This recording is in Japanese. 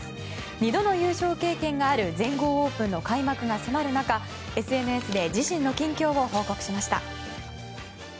２度の優勝経験がある全豪オープンの開幕が迫る中ＳＮＳで自身の近況を報告しました。